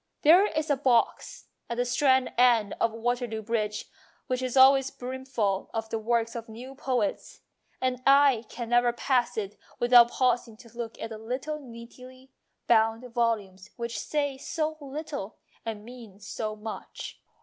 There is a box at the Strand end of Waterloo Bridge which is always brimful of the works of new poets, and I can never pass it without pausing to look at the little neatly bound volumes which say so little and mean so much.